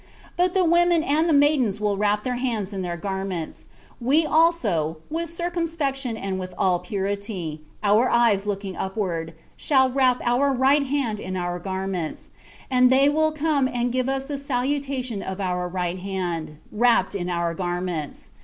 But the women and the maidens will wrap their hands in their garments; we also, with circumspection and with all purity, our eyes looking upward, shall wrap our right hand in our garments; and then they will come and give us the salutation on our right hand, wrapped in our garments.